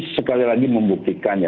sekali lagi membuktikan